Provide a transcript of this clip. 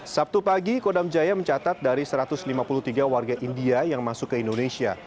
sabtu pagi kodam jaya mencatat dari satu ratus lima puluh tiga warga india yang masuk ke indonesia